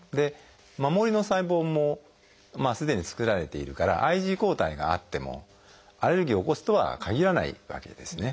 守りの細胞もすでに作られているからＩｇＥ抗体があってもアレルギーを起こすとはかぎらないわけですね。